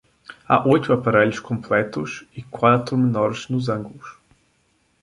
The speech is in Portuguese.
Há oito aparelhos completos e quatro menores nos ângulos.